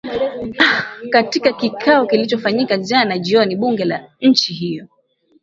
a katika kikao kilichofanyika jana jioni bunge la nchi hiyo